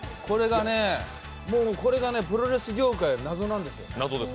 これがね、プロレス業界、謎なんですよ。